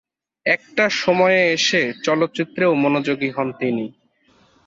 একটা সময়ে এসে চলচ্চিত্রেও মনোযোগী হন তিনি।